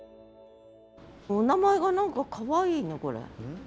お名前が何かかわいいねこれ。